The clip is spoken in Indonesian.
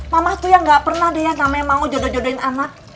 mama tuh yang nggak pernah deh yang namanya mau jodoh jodohin anak